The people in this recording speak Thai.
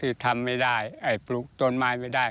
ทำไม่ได้ปลูกต้นไม้ไม่ได้